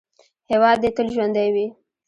هیواد دې تل ژوندی وي.